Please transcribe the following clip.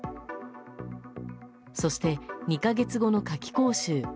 そして、２か月後の夏期講習。